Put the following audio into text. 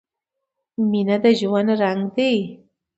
• مینه د ژوند رنګ دی.